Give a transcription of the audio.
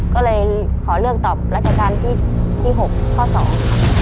ก็เลยขอเลือกตอบราชการที่ที่หกข้อสอง